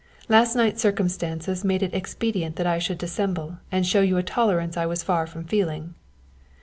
_ "_Last night circumstances made it expedient that I should dissemble and show you a tolerance I was far from feeling.